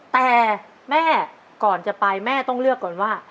แต่แม่ก่อนจะไปแม่ต้องเลือกก่อนว่า